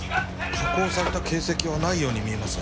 加工された形跡はないように見えます。